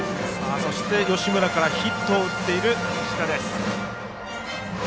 そして、吉村からヒットを打っている石田です。